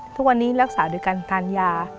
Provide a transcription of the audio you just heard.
ทุกวันนี้รักษาโดยการทานยา